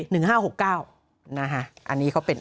คือเอาง่าย